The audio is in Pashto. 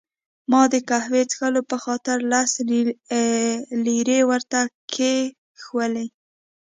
ما د قهوې څښلو په خاطر لس لیرې ورته کښېښوولې.